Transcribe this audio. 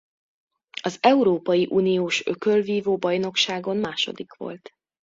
Az európai uniós ökölvívó-bajnokságon második volt.